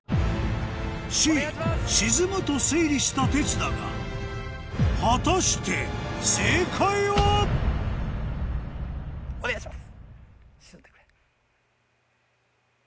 Ｃ沈むと推理したテツだが果たして正解は⁉お願いします。